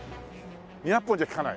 ２００本じゃ利かない？